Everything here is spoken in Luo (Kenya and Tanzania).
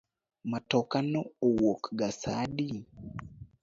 Matoka no wuok ga sa adi?